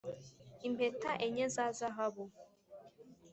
impeta enye za zahabu